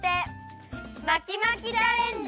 まきまきチャレンジ！